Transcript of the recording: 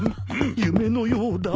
夢のようだ。